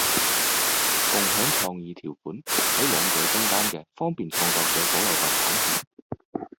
共享創意授權條款喺兩者中間既方便創作者保留部份版權